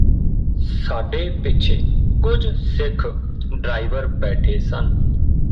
ਸਾਡੇ ਪਿੱਛੇ ਕੁਝ ਸਿੱਖ ਡਰਾਈਵਰ ਬੈਠੇ ਸਨ